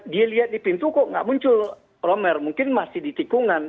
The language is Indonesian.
dia lihat di pintu kok nggak muncul romer mungkin masih di tikungan